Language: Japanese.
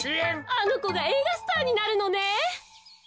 あのこがえいがスターになるのね。